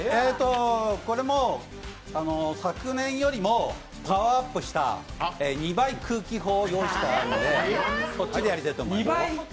これも昨年よりもパワーアップした、２倍空気砲、用意してありますのでそっちでやります。